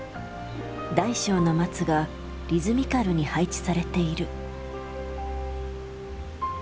大小の松がリズミカルに配置されている。